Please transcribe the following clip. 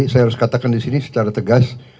saya harus katakan disini secara tegas